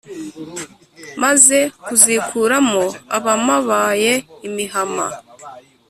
maze kuzikuramo abamabaye imihama,